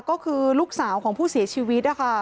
ก็คือลูกสาวของผู้เสียชีวิตนะคะ